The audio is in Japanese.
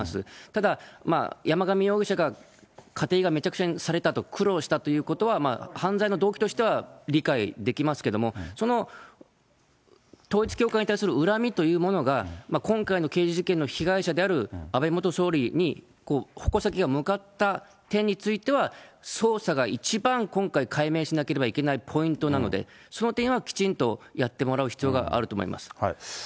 ただ、山上容疑者が家庭がめちゃくちゃにされた、苦労したということは、犯罪の動機としては理解できますけれども、その統一教会に対する恨みというものが、今回の刑事事件の被害者である安倍元総理に矛先が向かった点については、捜査が一番今回解明しなければいけないポイントなので、その点はきちんとやってもらう必要があると思います。